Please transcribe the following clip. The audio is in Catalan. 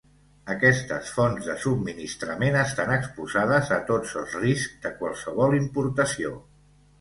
Aquestes fonts de subministrament estan exposades a tots els riscs de qualsevol importació.